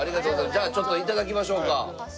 じゃあちょっと頂きましょうか。